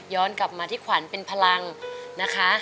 กลับมาที่ขวัญเป็นพลังนะคะ